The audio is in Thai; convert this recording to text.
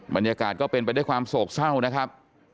บรรยากาศก็เป็นไปด้วยความโศกเศร้านะครับ